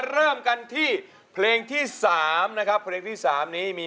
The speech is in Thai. รู้จักไหมครับเพลงนี้